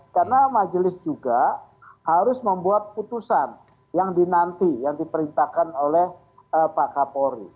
karena majelis juga harus membuat putusan yang dinanti yang diperintahkan oleh pak kapolri